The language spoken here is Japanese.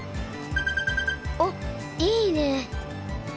おっいいね。